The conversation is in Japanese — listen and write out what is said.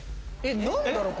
何だろう？